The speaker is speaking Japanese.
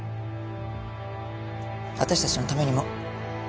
私たちのためにも。